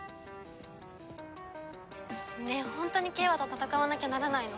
ねえホントに景和と戦わなきゃならないの？